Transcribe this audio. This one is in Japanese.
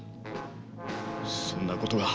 そんなことが。